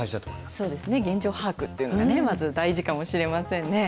そうですね、現状把握というのがまず大事かもしれませんね。